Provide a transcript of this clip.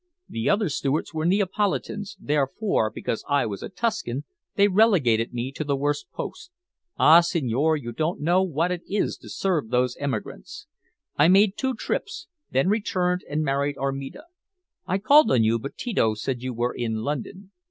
The other stewards were Neapolitans, therefore, because I was a Tuscan, they relegated me to the worst post. Ah, signore, you don't know what it is to serve those emigrants! I made two trips, then returned and married Armida. I called on you, but Tito said you were in London.